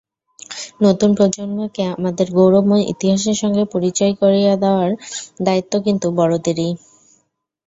নতুন প্রজন্মকে আমাদের গৌরবময় ইতিহাসের সঙ্গে পরিচয় করিয়ে দেওয়ার দায়িত্ব কিন্তু বড়দেরই।